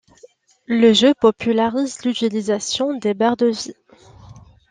Le jeu popularise l'utilisation des barres de vie.